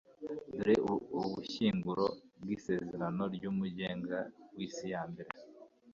dore ubushyinguro bw'isezerano ry'umugenga w'isi yose